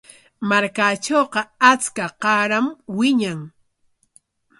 Markaatrawqa achka qaaram wiñan.